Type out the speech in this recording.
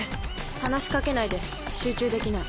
話し掛けないで集中できない。